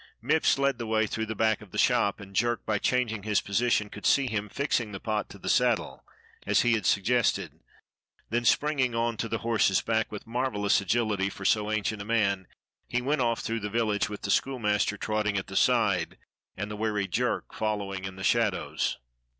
Mipps led the way through the back of the shop, and Jerk, by changing his position, could see him DOGGING THE SCHOOLIVIASTER 61 fixing the pot to the saddle, as he had suggested, then springing on to the horse's back with marvellous agility for so ancient a man, he went off through the village with the schoolmaster trotting at the side, and the wary Jerk following in the shadows.